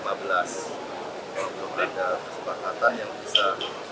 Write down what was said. untuk ada kesempatan yang bisa